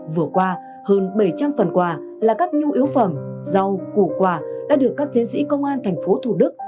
vừa qua hơn bảy trăm linh phần quà là các nhu yếu phẩm rau củ quả đã được các chiến sĩ công an thành phố thủ đức